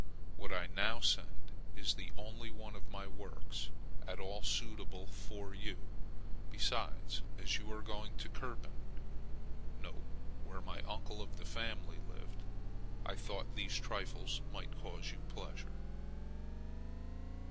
What I now send is the only one of my works at all suitable for you; besides, as you are going to Kerpen [where an uncle of the family lived], I thought these trifles might cause you pleasure.